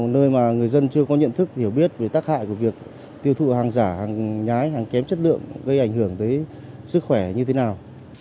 nơi mà người dân chưa có nhận thức hiểu biết về tác hại của việc tiêu thụ hàng giả hàng nhái hàng kém chất lượng gây ảnh hưởng tới sức khỏe như thế nào